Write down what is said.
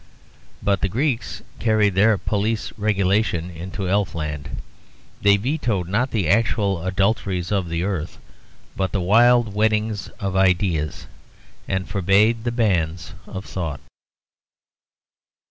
But the Greeks carried their police regulation into elfland; they vetoed not the actual adulteries of the earth but the wild weddings of ideas, and forbade the banns of thought.